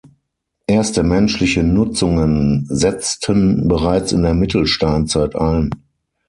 Erste menschliche Nutzungen setzten bereits in der Mittelsteinzeit ein.